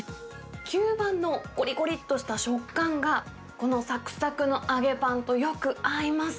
吸盤のごりごりとした食感が、このさくさくの揚げパンとよく合います。